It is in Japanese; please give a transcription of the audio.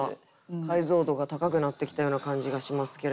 解像度が高くなってきたような感じがしますけれども。